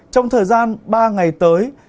trong thời gian ba ngày tới